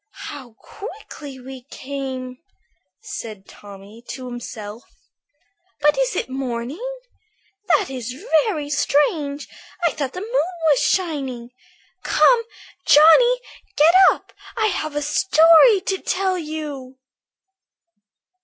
"How quickly we came," said Tommy to himself. "But is it morning? That is very strange! I thought the moon was shining. Come, Johnny, get up, I have a story to tell you."